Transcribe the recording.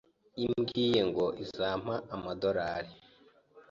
imbwiye ngo izampa amadarori